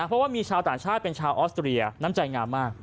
เพราะว่ามีชาวต่างชาติเป็นชาวออสเตรียน้ำใจงามมาก